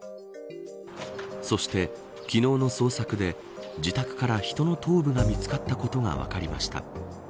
そして、昨日の捜索で自宅から人の頭部が見つかったことが分かりました